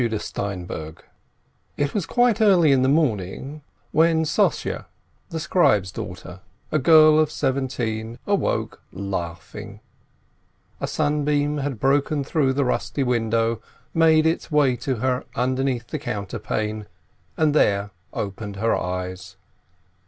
AT THE MATZES It was quite early in the morning, when Sossye, the scribe's daughter, a girl of seventeen, awoke laughing; a sunbeam had broken through the rusty window, made its way to her underneath the counterpane, and there opened her eyes.